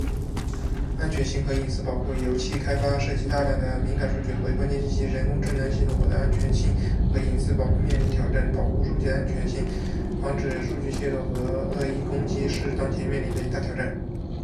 安全性和隐私保护：油气开发涉及大量敏感数据和关键信息，人工智能系统的安全性和隐私保护面临挑战。保护数据的安全性，防止数据泄露和恶意攻击是当前面临的一大挑战。